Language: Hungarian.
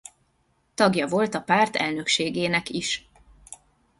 Tagja volt a párt elnökségének is.